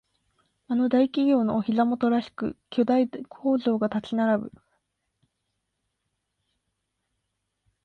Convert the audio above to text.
あの大企業のお膝元らしく巨大工場が立ち並ぶ